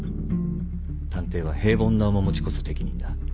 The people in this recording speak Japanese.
探偵は平凡な面持ちこそ適任だ。